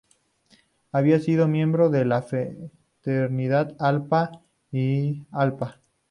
Había sido miembro de la fraternidad Alpha Phi Alpha.